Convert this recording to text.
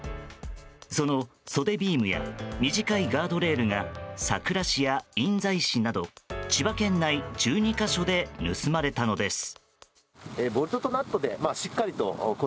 その袖ビームや短いガードレールが佐倉市や印西市など千葉県内１２か所で盗まれたのです。